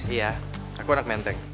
iya aku anak menteng